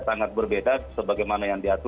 sangat berbeda sebagaimana yang diatur